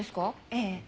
ええ。